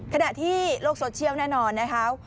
ขณะที่โลกโซเชียลแน่นอนนะคะ